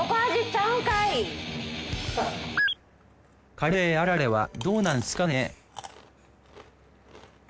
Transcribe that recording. カレーあられはどうなんすかね？